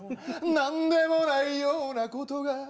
「何でもないような事が」